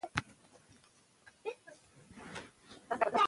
د امير شېر علي خان په زمانه کي کتابونه چاپ سوي دي.